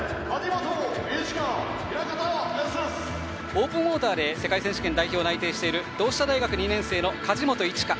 オープンウォーターで世界選手権代表内定している同志社大学２年生の梶本一花。